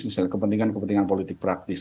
misalnya kepentingan kepentingan politik praktis